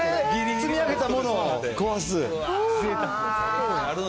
積み上げたものを壊す。